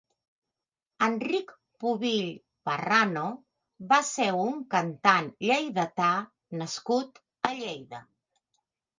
Enric Pubill Parrano va ser un cantant lleidatà nascut a Lleida.